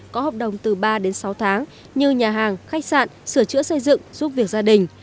có hợp đồng từ ba đến sáu tháng như nhà hàng khách sạn sửa chữa xây dựng giúp việc gia đình